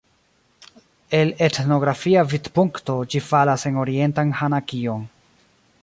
El etnografia vidpunkto ĝi falas en orientan Hanakion.